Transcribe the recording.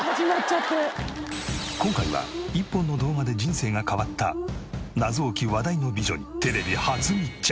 今回は１本の動画で人生が変わった謎多き話題の美女にテレビ初密着。